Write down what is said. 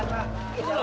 bu di mana